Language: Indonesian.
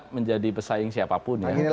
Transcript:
menjadi pesaing siapapun ya